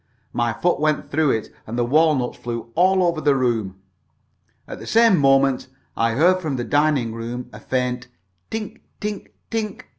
My foot went through it, and the walnuts flew all over the room. At the same moment I heard from the drawing room a faint tink tink tink on the piano.